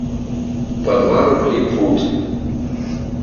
Па два рублі пуд!